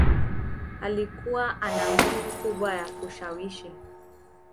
Alikuwa ana nguvu kubwa ya kushawishi